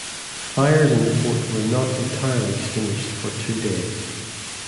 Fires in the fort were not entirely extinguished for two days.